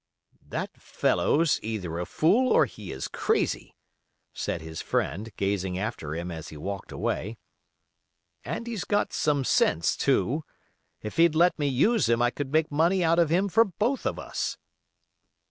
"That fellow's either a fool or he is crazy," said his friend, gazing after him as he walked away. "And he's got some sense too. If he'd let me use him I could make money out of him for both of us."